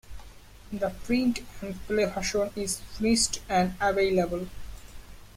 The Print and Play version is finished and available.